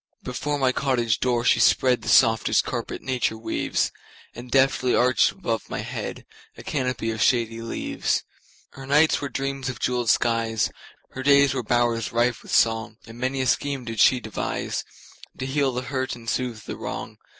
Before my cottage door she spreadThe softest carpet nature weaves, And deftly arched above my headA canopy of shady leaves. Her nights were dreams of jeweled skies, Her days were bowers rife with song, And many a scheme did she deviseTo heal the hurt and soothe the wrong.